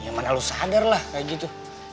ya mana lu sadar lah kayak gitu